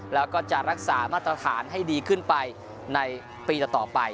แล้วก็จะรักษามาตรฐานให้ดีขึ้นไปในปีต่อไป